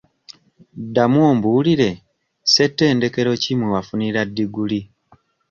Ddamu ombuulire ssettendekero ki mwe wafunira ddiguli?